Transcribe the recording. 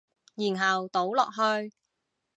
然後倒落去